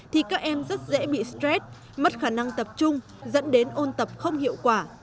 thì các em rất dễ bị stress mất khả năng tập trung dẫn đến ôn tập không hiệu quả